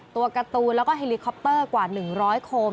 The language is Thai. ตัวการ์ตูนแล้วก็เฮลิคอปเตอร์กว่า๑๐๐โคม